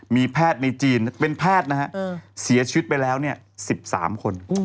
มีแพทย์ในจีนเป็นแพทย์นะฮะเสียชีวิตไปแล้ว๑๓คน